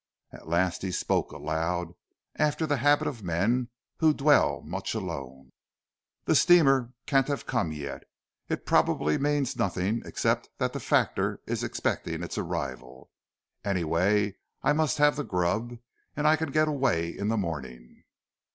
At last he spoke aloud, after the habit of men who dwell much alone. "The steamer can't have come yet. It probably means nothing except that the factor is expecting its arrival. Anyway I must have the grub, and I can get away in the morning."